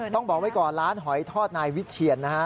บอกไว้ก่อนร้านหอยทอดนายวิเชียนนะฮะ